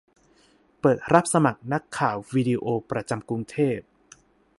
เปิดรับสมัครนักข่าววิดีโอ ประจำกรุงเทพ